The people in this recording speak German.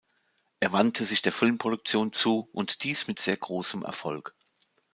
Er wandte sich der Filmproduktion zu und dies mit sehr großem Erfolg.